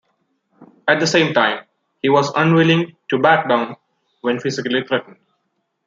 At the same time, he was unwilling to "back down" when physically threatened.